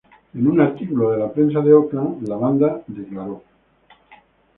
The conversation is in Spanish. En un artículo de la prensa de Oakland la banda declaró.